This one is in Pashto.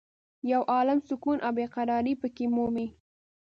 یو عالم سکون او بې قرارې په کې مومې.